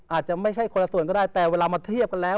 อาจจะไม่ใช่คนละส่วนก็ได้แต่เวลามาเทียบกันแล้ว